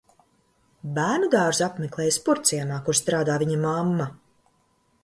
Bērnudārzu apmeklējis Purvciemā, kur strādā viņa mamma.